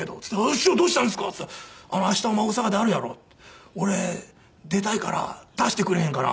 「師匠どうしたんですか？」って言ったら「明日お前大阪であるやろ」って。「俺出たいから出してくれへんかな？